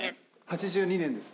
８２年です。